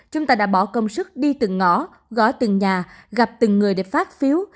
chúng ta đã bỏ công sức đi từng ngõ gõ từng nhà gặp từng người để phát phiếu